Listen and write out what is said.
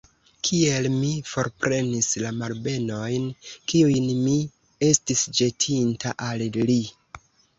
Kiel mi forprenis la malbenojn, kiujn mi estis ĵetinta al li!